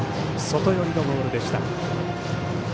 外寄りのボールでした。